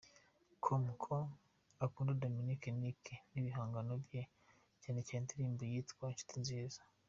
com ko akunda Dominic Nic n’ibihangano bye, cyane cyane indirimbo yitwa ’Inshuti Nziza’.